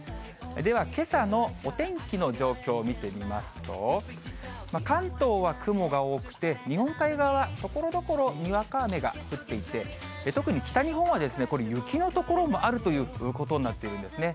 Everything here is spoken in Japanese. ではけさのお天気の状況を見てみますと、関東は雲が多くて、日本海側はところどころにわか雨が降っていて、特に北日本はこれ、雪の所もあるということになっているんですね。